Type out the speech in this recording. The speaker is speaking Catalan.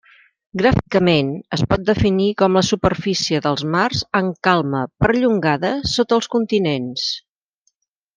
Gràficament, es pot definir com la superfície dels mars en calma perllongada sota els continents.